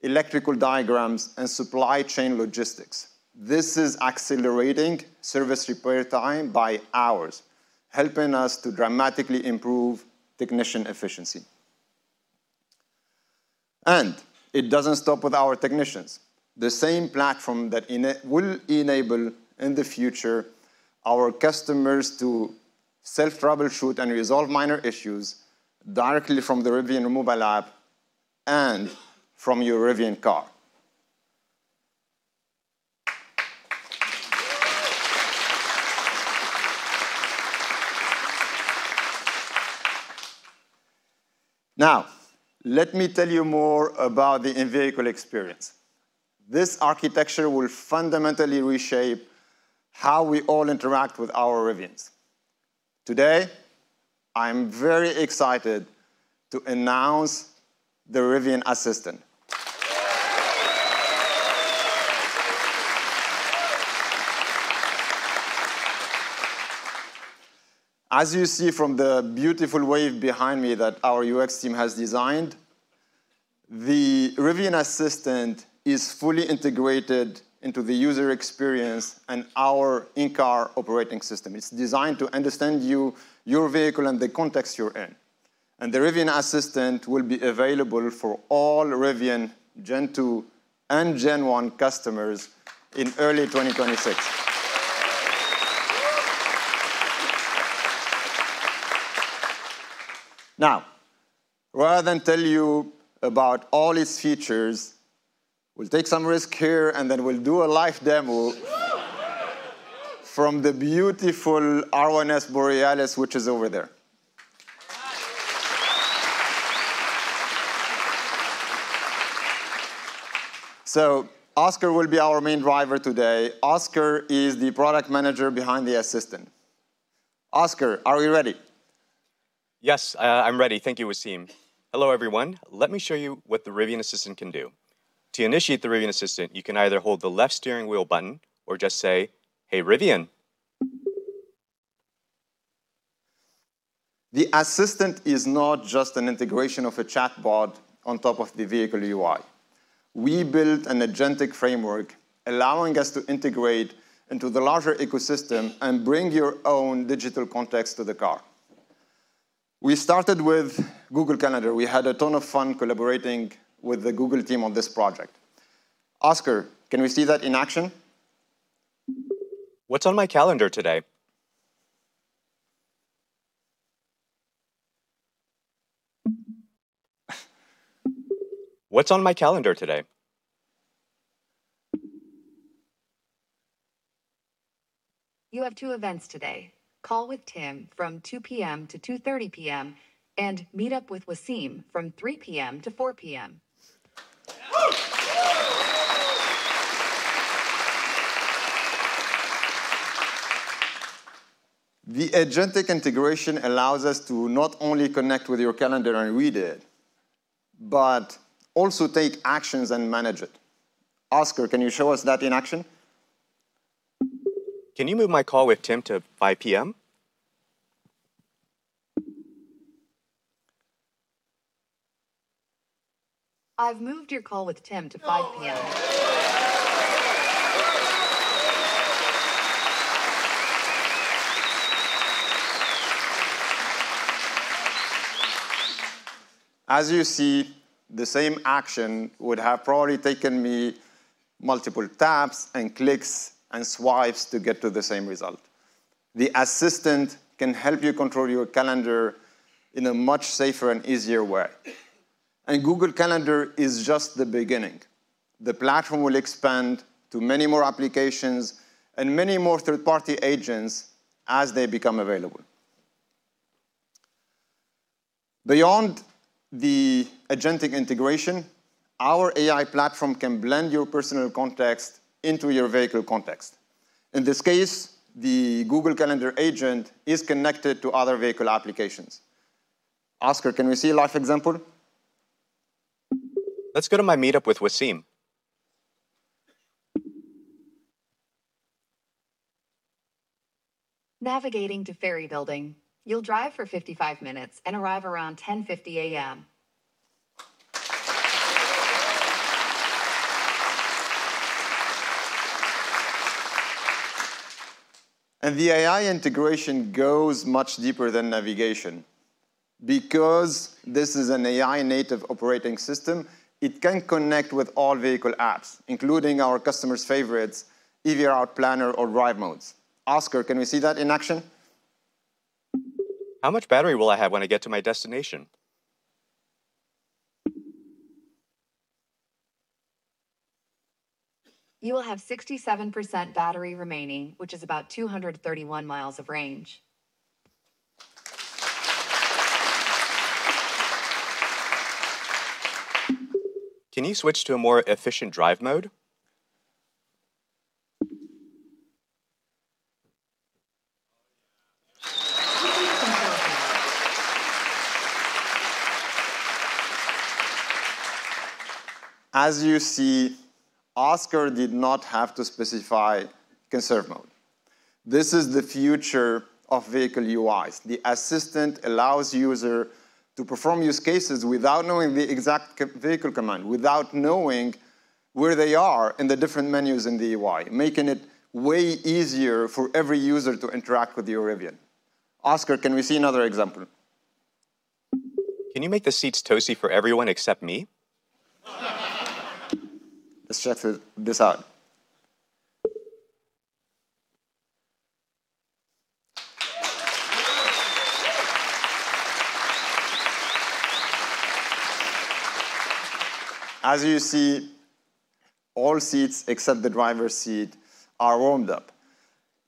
electrical diagrams, and supply chain logistics. This is accelerating service repair time by hours, helping us to dramatically improve technician efficiency. And it doesn't stop with our technicians. The same platform that will enable in the future our customers to self-troubleshoot and resolve minor issues directly from the Rivian Mobile app and from your Rivian car. Now, let me tell you more about the in-vehicle experience. This architecture will fundamentally reshape how we all interact with our Rivians. Today, I'm very excited to announce the Rivian Assistant. As you see from the beautiful wave behind me that our UX team has designed, the Rivian Assistant is fully integrated into the user experience and our in-car operating system. It's designed to understand you, your vehicle, and the context you're in, and the Rivian Assistant will be available for all Rivian Gen 2 and Gen 1 customers in early 2026. Now, rather than tell you about all its features, we'll take some risk here and then we'll do a live demo from the beautiful R1S Borealis, which is over there, so Oscar will be our main driver today. Oscar is the product manager behind the Assistant. Oscar, are we ready? Yes, I'm ready. Thank you, Wassym. Hello, everyone. Let me show you what the Rivian Assistant can do. To initiate the Rivian Assistant, you can either hold the left steering wheel button or just say, "Hey, Rivian. The Assistant is not just an integration of a chatbot on top of the vehicle UI. We built an agentic framework allowing us to integrate into the larger ecosystem and bring your own digital context to the car. We started with Google Calendar. We had a ton of fun collaborating with the Google team on this project. Oscar, can we see that in action? What's on my calendar today? What's on my calendar today? You have two events today. Call with Tim from 2:00 P.M. to 2:30 P.M. and meet up with Wassym from 3:00 P.M. to 4:00 P.M. The agentic integration allows us to not only connect with your calendar and read it, but also take actions and manage it. Oscar, can you show us that in action? Can you move my call with Tim to 5:00 P.M.? I've moved your call with Tim to 5:00 P.M. As you see, the same action would have probably taken me multiple taps and clicks and swipes to get to the same result. The Assistant can help you control your calendar in a much safer and easier way. And Google Calendar is just the beginning. The platform will expand to many more applications and many more third-party agents as they become available. Beyond the agentic integration, our AI platform can blend your personal context into your vehicle context. In this case, the Google Calendar agent is connected to other vehicle applications. Oscar, can we see a live example? Let's go to my meetup with Wassym. Navigating to Ferry Building. You'll drive for 55 minutes and arrive around 10:50 A.M. The AI integration goes much deeper than navigation. Because this is an AI-native operating system, it can connect with all vehicle apps, including our customers' favorites, EV route planner or drive modes. Oscar, can we see that in action? How much battery will I have when I get to my destination? You will have 67% battery remaining, which is about 231 mi of range. Can you switch to a more efficient drive mode? As you see, Oscar did not have to specify Conserve Mode. This is the future of vehicle UIs. The Assistant allows users to perform use cases without knowing the exact vehicle command, without knowing where they are in the different menus in the UI, making it way easier for every user to interact with your Rivian. Oscar, can we see another example? Can you make the seats toasty for everyone except me? Let's check this out. As you see, all seats except the driver's seat are warmed up.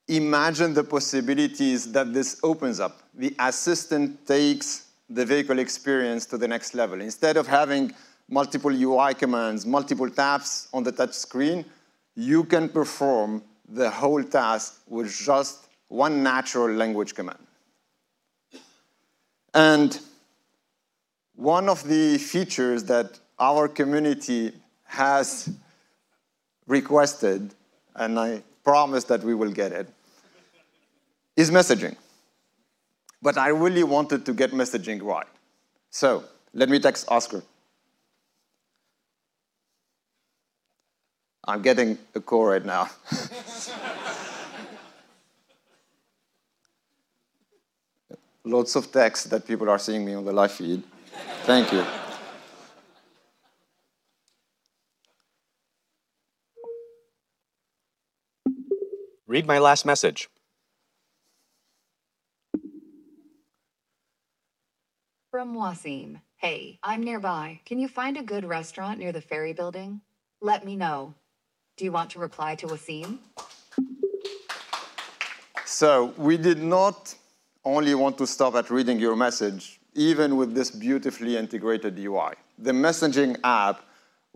Imagine the possibilities that this opens up. The Assistant takes the vehicle experience to the next level. Instead of having multiple UI commands, multiple taps on the touchscreen, you can perform the whole task with just one natural language command, and one of the features that our community has requested, and I promise that we will get it, is messaging, but I really wanted to get messaging right, so let me text Oscar. I'm getting a call right now. Lots of texts that people are seeing me on the live feed. Thank you. Read my last message. From Wassym. Hey, I'm nearby. Can you find a good restaurant near the Ferry Building? Let me know. Do you want to reply to Wassym? So we did not only want to stop at reading your message, even with this beautifully integrated UI. The messaging app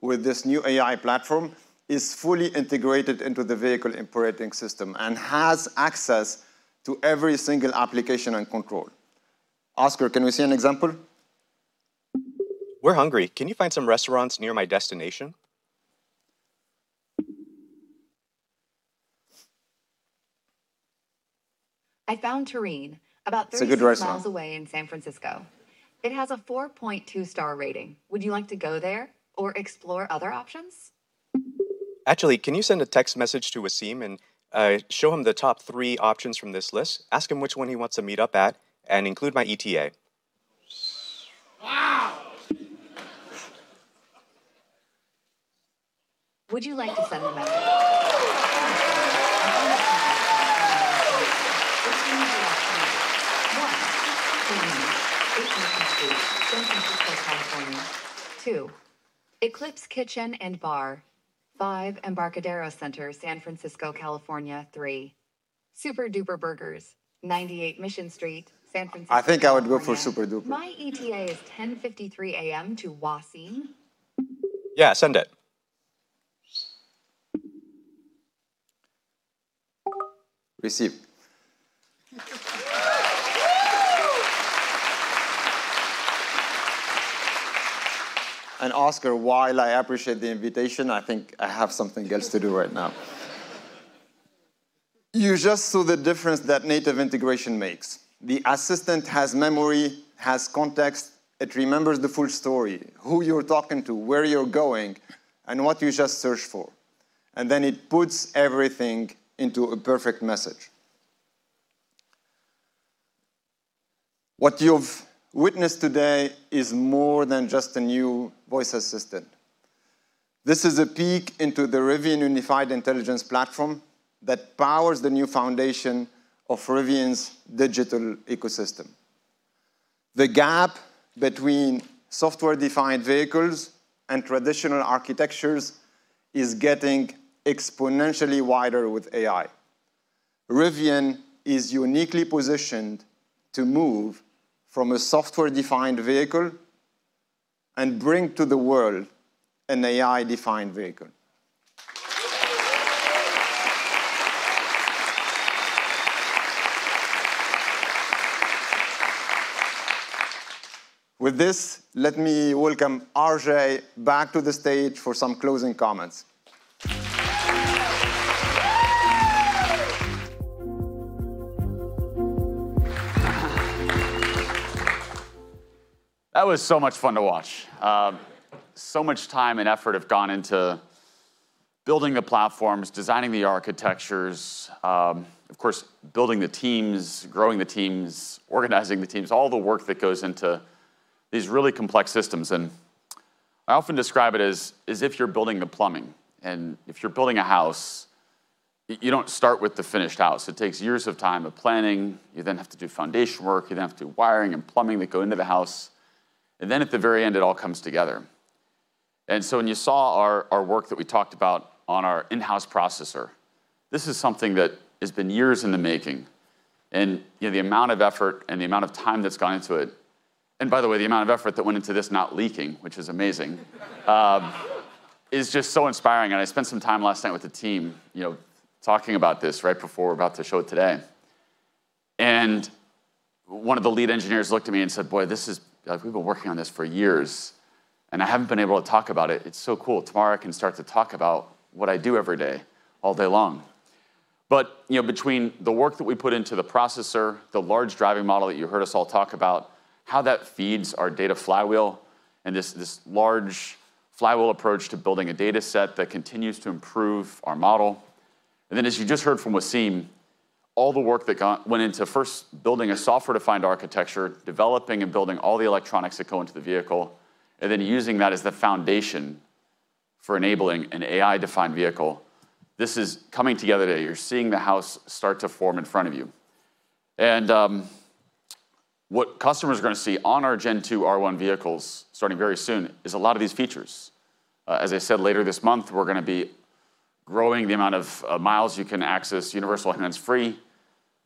with this new AI platform is fully integrated into the vehicle operating system and has access to every single application and control. Oscar, can we see an example? We're hungry. Can you find some restaurants near my destination? I found Terrene, about 36 mi away in San Francisco. It has a 4.2-star rating. Would you like to go there or explore other options? Actually, can you send a text message to Wassym and show him the top three options from this list? Ask him which one he wants to meet up at and include my ETA. Would you like to send a message? 1. Eight Mission Street, San Francisco, California. 2. Eclipse Kitchen and Bar. 5. Embarcadero Center, San Francisco, California. 3. Super Duper Burgers, 98 Mission Street, San Francisco. I think I would go for Super Duper. My ETA is 10:53 A.M. to Wassym. Yeah, send it. Received. Oscar, while I appreciate the invitation, I think I have something else to do right now. You just saw the difference that native integration makes. The Assistant has memory, has context. It remembers the full story, who you're talking to, where you're going, and what you just searched for. And then it puts everything into a perfect message. What you've witnessed today is more than just a new voice assistant. This is a peek into the Rivian Unified Intelligence platform that powers the new foundation of Rivian's digital ecosystem. The gap between software-defined vehicles and traditional architectures is getting exponentially wider with AI. Rivian is uniquely positioned to move from a software-defined vehicle and bring to the world an AI-defined vehicle. With this, let me welcome RJ back to the stage for some closing comments. That was so much fun to watch, so much time and effort have gone into building the platforms, designing the architectures, of course, building the teams, growing the teams, organizing the teams, all the work that goes into these really complex systems, and I often describe it as if you're building the plumbing, and if you're building a house, you don't start with the finished house. It takes years of time of planning. You then have to do foundation work. You then have to do wiring and plumbing that go into the house, and then at the very end, it all comes together, and so when you saw our work that we talked about on our in-house processor, this is something that has been years in the making. The amount of effort and the amount of time that's gone into it, and by the way, the amount of effort that went into this not leaking, which is amazing, is just so inspiring. I spent some time last night with the team talking about this right before we're about to show it today. One of the lead engineers looked at me and said, "Boy, this is. We've been working on this for years, and I haven't been able to talk about it. It's so cool. Tomorrow I can start to talk about what I do every day, all day long." Between the work that we put into the processor, the Large Driving Model that you heard us all talk about, how that feeds our data flywheel, and this large flywheel approach to building a data set that continues to improve our model. Then as you just heard from Wassym, all the work that went into first building a software-defined architecture, developing and building all the electronics that go into the vehicle, and then using that as the foundation for enabling an AI-defined vehicle, this is coming together today. You're seeing the house start to form in front of you. What customers are going to see on our Gen 2 R1 vehicles starting very soon is a lot of these features. As I said, later this month, we're going to be growing the amount of miles you can access Universal Hands-Free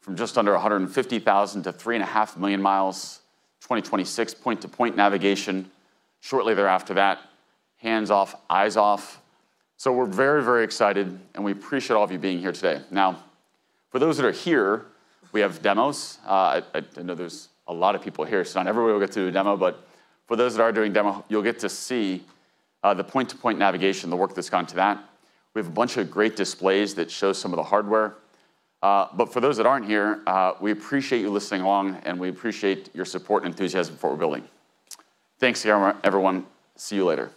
from just under 150,000 mi to 3.5 million miles, 2026 point-to-point navigation, shortly thereafter that, hands-off, eyes-off. We're very, very excited, and we appreciate all of you being here today. Now, for those that are here, we have demos. I know there's a lot of people here, so not everybody will get to do a demo. But for those that are doing a demo, you'll get to see the point-to-point navigation, the work that's gone to that. We have a bunch of great displays that show some of the hardware. But for those that aren't here, we appreciate you listening along, and we appreciate your support and enthusiasm for what we're building. Thanks, everyone. See you later.